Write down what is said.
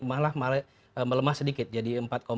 malah melemah sedikit jadi empat sembilan puluh tiga